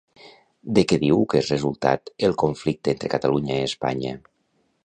De què diu que és resultat el conflicte entre Catalunya i Espanya?